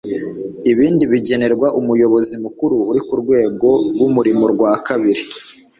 ibindi bigenerwa umuyobozi mukuru uri ku rwego rw'umurimo rwa kabiri